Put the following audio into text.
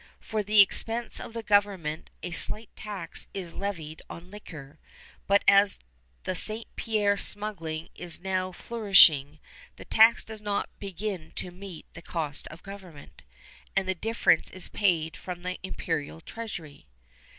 For the expense of government a slight tax is levied on liquor; but as the St. Pierre smuggling is now flourishing, the tax docs not begin to meet the cost of government, and the difference is paid from the imperial treasury.